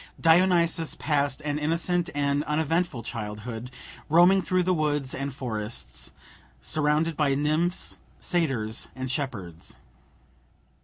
Dionysus passed an innocent and uneventful childhood, roaming through the woods and forests, surrounded by nymphs, satyrs, and shepherds.